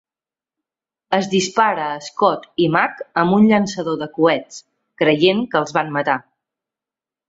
Es dispara a Scott i Mac amb un llançador de coets, creient que els van matar.